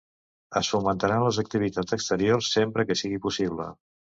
Es fomentaran les activitats exteriors sempre que sigui possible.